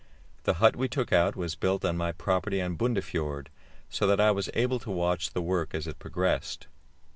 The hut we took out was built on my property on Bundefjord, so that I was able to watch the work as it progressed.